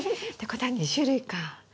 ってことは２種類か。